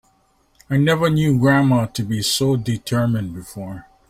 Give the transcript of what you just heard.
I never knew grandma to be so determined before.